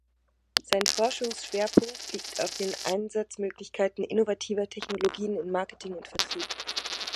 Sein Forschungsschwerpunkt liegt auf den Einsatzmöglichkeiten innovativer Technologien in Marketing und Vertrieb.